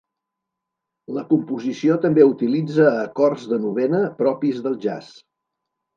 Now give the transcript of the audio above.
La composició també utilitza acords de novena propis del jazz.